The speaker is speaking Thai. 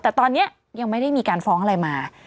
แต่ตอนนี้ยังไม่ได้มีการฟ้องอะไรมา